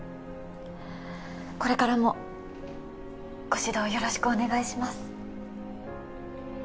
これからもご指導よろしくお願いします